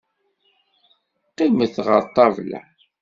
Qqimet ɣer ṭṭabla.